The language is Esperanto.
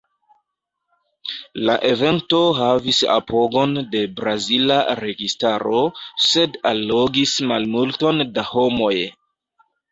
La evento havis apogon de brazila registaro, sed allogis malmulton da homoj.